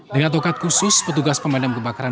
dengan tokat khusus petugas pemadam kebakaran